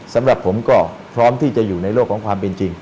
สำหรับผมก็พร้อมที่จะอยู่ในโลกของความเป็นจริง